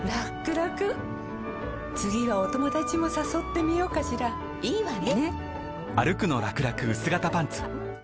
らくらくはお友達もさそってみようかしらいいわね！